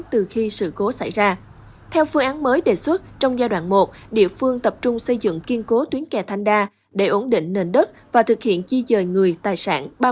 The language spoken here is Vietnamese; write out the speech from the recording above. theo phương án mới đề xuất trong giai đoạn một địa phương tập trung xây dựng kiên cố tuyến kè thanh đa để ổn định nền đất và thực hiện di dời người tài sản